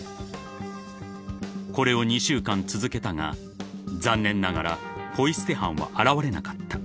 ［これを２週間続けたが残念ながらポイ捨て犯は現れなかった。